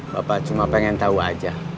bapak cuma pengen tahu aja